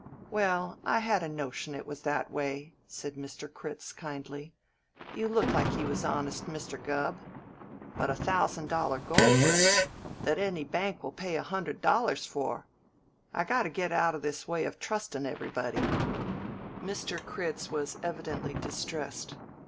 "Well, I had a notion it was that way," said Mr. Critz kindly. "You look like you was honest, Mr. Gubb. But a thousand dollar gold brick, that any bank will pay a hundred dollars for I got to get out of this way of trustin' everybody " Mr. Critz was evidently distressed.